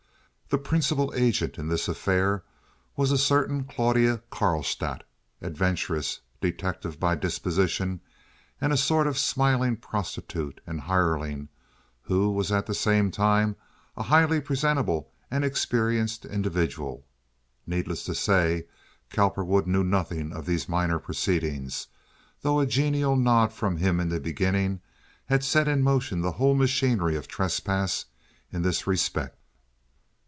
The principal agent in this affair was a certain Claudia Carlstadt—adventuress, detective by disposition, and a sort of smiling prostitute and hireling, who was at the same time a highly presentable and experienced individual. Needless to say, Cowperwood knew nothing of these minor proceedings, though a genial nod from him in the beginning had set in motion the whole machinery of trespass in this respect.